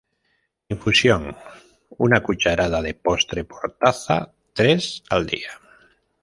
Infusión: una cucharada de postre por taza, tres al día.